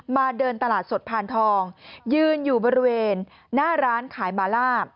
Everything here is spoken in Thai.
เดินตลาดสดพานทองยืนอยู่บริเวณหน้าร้านขายมาล่า